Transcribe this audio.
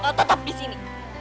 gue bakal tetap di sini